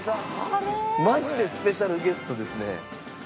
マジでスペシャルゲストですね。